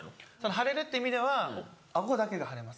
腫れるっていう意味では顎だけが腫れます。